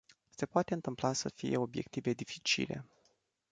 Se poate întâmpla să fie obiective dificile.